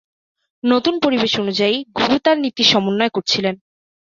নতুন পরিবেশ অনুযায়ী, গুরু তার নীতি সমন্বয় করছিলেন।